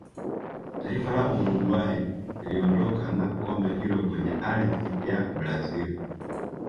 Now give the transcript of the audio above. taifa la uruguay liliondoka na kombe hilo kwenye ardhi ya brazil